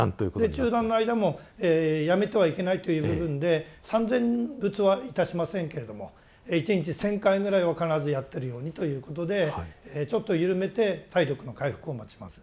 中断の間もやめてはいけないという部分で三千仏はいたしませんけれども一日１０００回ぐらいを必ずやってるようにということでちょっと緩めて体力の回復を待ちます。